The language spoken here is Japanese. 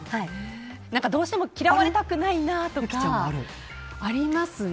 どうしても嫌われたくないなとかありますね。